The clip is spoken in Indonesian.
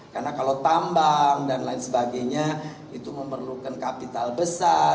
karena kalau tambang dan lain sebagainya itu memerlukan kapital besar